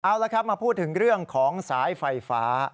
เอาละครับมาพูดถึงเรื่องของสายไฟฟ้า